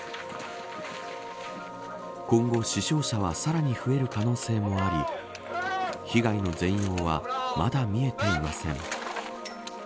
今後、死傷者はさらに増える可能性もあり被害の全容はまだ見えていません。